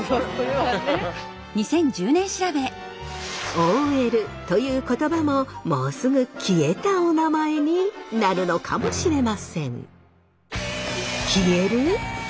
ＯＬという言葉ももうすぐ消えたおなまえになるのかもしれません。